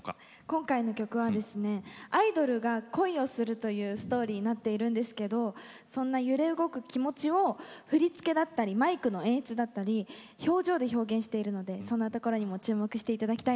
今回の曲はですねアイドルが恋をするというストーリーになっているんですけどそんな揺れ動く気持ちを振り付けだったりマイクの演出だったり表情で表現しているのでそんなところにも注目していただきたいです。